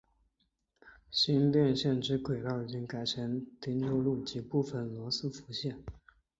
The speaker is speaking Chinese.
新店线之轨道已经改成汀州路及部分的罗斯福路。